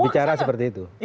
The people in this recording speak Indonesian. bicara seperti itu